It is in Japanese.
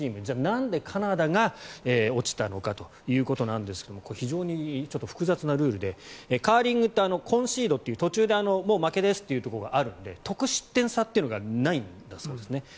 じゃあなんでカナダが落ちたのかということですが非常にちょっと複雑なルールでカーリングってコンシードという途中でもう負けですというのがあるので得失点差というのがないんだそうです。